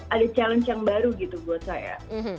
ada challenge yang baru gitu buat saya